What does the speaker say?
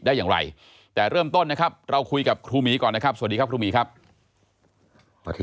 ยาท่าน้ำขาวไทยนครเพราะทุกการเดินทางของคุณจะมีแต่รอยยิ้ม